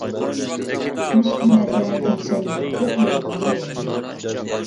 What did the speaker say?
مۇشۇ كۈنلەردە گۈلشەنمۇ كۆپ ئويلايدىغان بولدى.